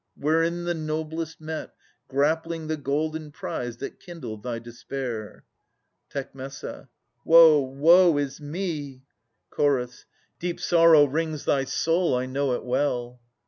Wherein the noblest met, Grappling the golden prize that kindled thy despair! Tec. Woe, woe is me! Ch. Deep sorrow wrings thy soul, I know it well.